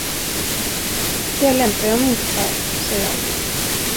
Det lämpar jag mig inte för, sa jag.